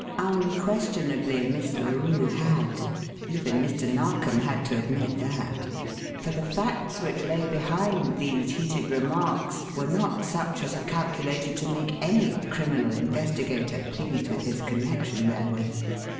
Unquestionably Miss Larue had. Even Mr. Narkom had to admit that; for the facts which lay behind these heated remarks were not such as are calculated to make any criminal investigator pleased with his connection therewith.